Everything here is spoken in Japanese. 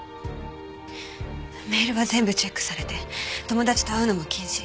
メールは全部チェックされて友達と会うのも禁止。